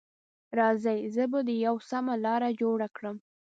راځئ، زه به دې ته یوه سمه لاره جوړه کړم.